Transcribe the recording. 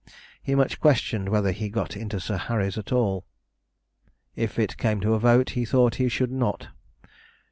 He much questioned whether he got into Sir Harry's at all. If it came to a vote, he thought he should not.